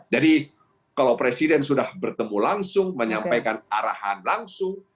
jadi kalau presiden sudah bertemu langsung menyampaikan arahan langsung